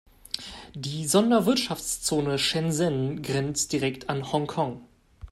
Die Sonderwirtschaftszone Shenzhen grenzt direkt an Hongkong.